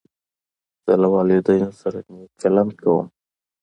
زه له والدینو سره نېک چلند کوم.